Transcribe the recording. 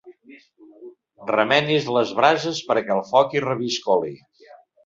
Remenis les brases perquè el foc hi reviscoli.